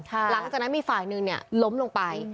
ร้านออกจากนั้นมีฝ่ายนึงล้มลงไป